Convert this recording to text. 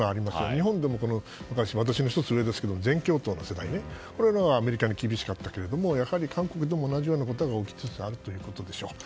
日本でも私の１つ上の世代はアメリカに厳しかったけれどもやはり韓国にも同じようなことが起きつつあるということでしょう。